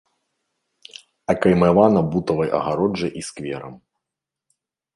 Акаймавана бутавай агароджай і скверам.